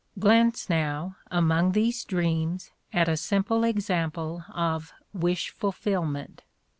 Glance now, among these dreams, at a simple exam ple of "wish fulfillment."